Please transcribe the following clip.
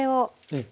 ええ。